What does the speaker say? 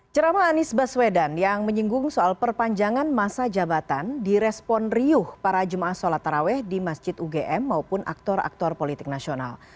cerama anies baswedan yang menyinggung soal perpanjangan masa jabatan di respon riuh para jum'ah solat taraweh di masjid ugm maupun aktor aktor politik nasional